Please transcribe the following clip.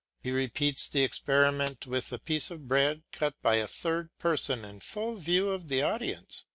He repeats the experiment with a piece of bread cut by a third person in full view of the audience.